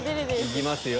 いきますよ！